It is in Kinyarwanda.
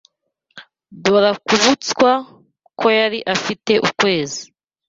Dora Kubutswa ko yari afite ukwezi